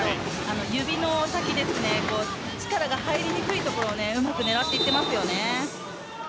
指の先、力が入りにくい所をうまく狙っていっています。